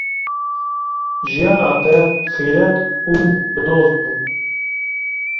Jiyana te xîret û bi doz bû.